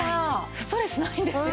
ストレスないんですよ。